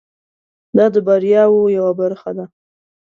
دا د بریاوو یوه برخه ده.